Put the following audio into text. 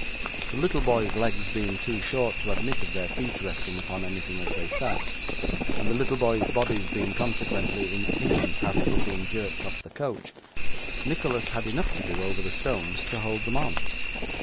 The little boys' legs being too short to admit of their feet resting upon anything as they sat, and the little boys' bodies being consequently in imminent hazard of being jerked off the coach, Nicholas had enough to do over the stones to hold them on.